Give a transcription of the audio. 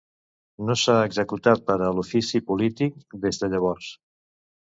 No s'ha executat per a l'ofici polític des de llavors.